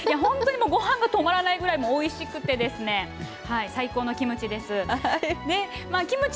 本当にごはんが止まらないぐらいおいしくて、最高の気持ちです。